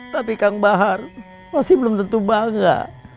tapi kang bahar masih belum tentu bangga